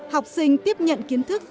học sinh tiếp nhận kiến thức